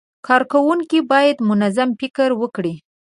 کارکوونکي باید منظم فکر وکړي.